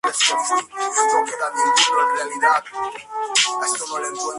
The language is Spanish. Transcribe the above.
Dejó la empresa para ir a la World Championship Wrestling.